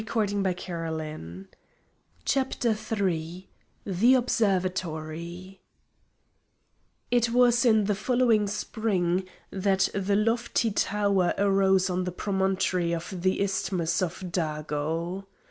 CHAPTER III The Observatory It was in the following spring that the lofty tower arose on the promontory of the Isthmus of Dago.